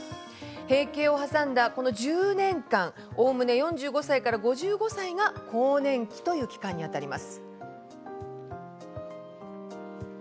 閉経を挟んだ１０年間おおむね４５歳から５５歳が更年期という期間にあたります。